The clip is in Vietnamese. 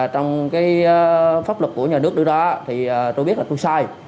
trong pháp luật của nhà nước đưa ra tôi biết là tôi sai